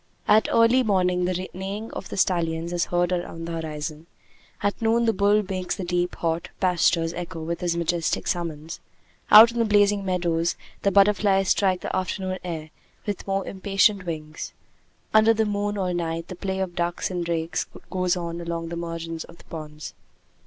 At early morning the neighing of the stallions is heard around the horizon; at noon the bull makes the deep, hot pastures echo with his majestic summons; out in the blazing meadows the butterflies strike the afternoon air with more impatient wings; under the moon all night the play of ducks and drakes goes on along the margins of the ponds.